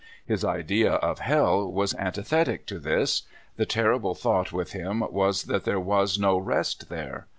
His idea of hell was an tithetic to this. The terrible thought with him was that there was no rest there.